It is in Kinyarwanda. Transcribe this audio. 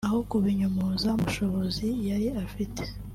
aho kubinyomoza mu bushobozi yari afite